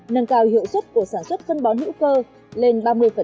nâng cao hiệu suất của sản xuất phân bón hữu cơ lên ba mươi